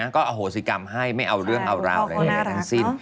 ก็อโหสิกรรมให้ไม่เอาเรื่องเอาราวอะไรใดทั้งสิ้น